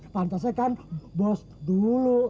pantasnya kan bos dulu